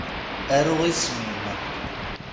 Aru isem-im.